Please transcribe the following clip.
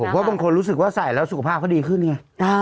เพราะบางคนรู้สึกว่าใส่แล้วสุขภาพเขาดีขึ้นไง